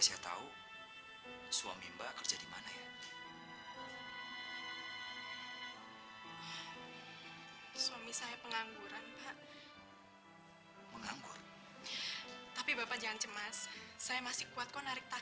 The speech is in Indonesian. sampai jumpa di video selanjutnya